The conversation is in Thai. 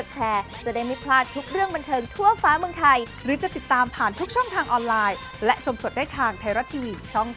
ใช่